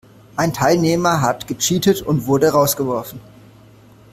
Ein Teilnehmer hat gecheatet und wurde rausgeworfen.